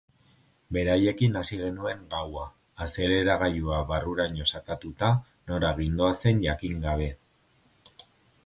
Beraiekin hasi genuen gaua, azeleragailua barruraino sakatuta, nora gindoazen jakin gabe.